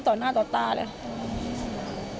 ต่อหน้าต่อตาเลย